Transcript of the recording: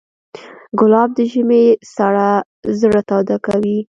ګلاب د ژمي سړه زړه تاوده کوي.